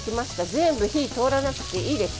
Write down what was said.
全部、火が通らなくていいです。